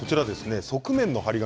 側面の貼り紙